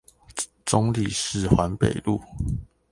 中壢市環北路